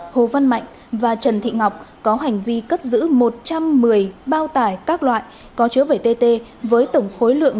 hồ văn mạnh và trần thị ngọc có hành vi cất giữ một trăm một mươi bao tải các loại có chứa vẩy tt với tổng khối lượng